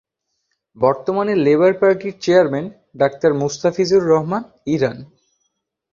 বর্তমানে লেবার পার্টির chairman doctor Mostafizur Rahman Iran.